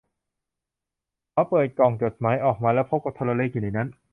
เขาเปิดกล่องจดหมายออกมาแล้วพบกับโทรเลขอยู่ในนั้น